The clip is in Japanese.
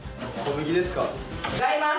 違います。